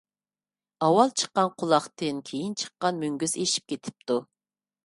ئاۋۋال چىققان قۇلاقتىن كېيىن چىققان مۈڭگۈز ئېشىپ كېتىدۇ.